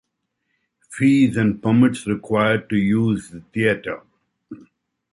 Fees and permits required to use the theater.